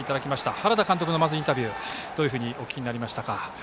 原田監督のインタビューどうお聞きになりましたか。